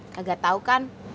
kagak tau kan